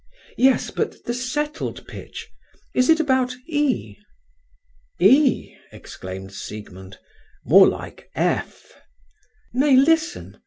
"Yes, but the settled pitch—is it about E?" "E!" exclaimed Siegmund. "More like F." "Nay, listen!"